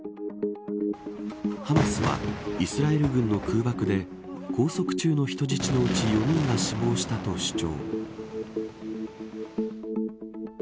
ハマスはイスラエル軍の空爆で拘束中の人質のうち４人が死亡したと主張。